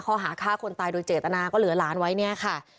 ข้อหาฆ่าคนตายโดยเจตนาก็เหลือหลานไว้เนี่ยค่ะ